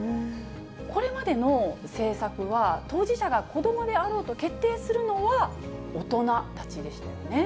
これまでの政策は、当事者が子どもであろうと、決定するのは大人たちでしたよね。